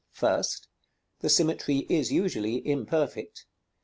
First: the symmetry is usually imperfect.